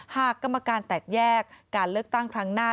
กรรมการแตกแยกการเลือกตั้งครั้งหน้า